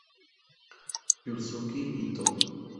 Yuzuki Ito